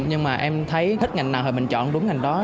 nhưng mà em thấy thích ngành nào thì mình chọn đúng ngành đó